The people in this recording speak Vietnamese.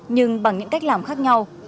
nhưng bằng những cách làm khác nhau